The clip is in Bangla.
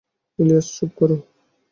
ইলিয়াস, চুপ কর।